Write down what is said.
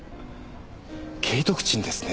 景徳鎮ですね？